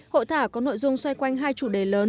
hội thảo có nội dung xoay quanh hai chủ đề lớn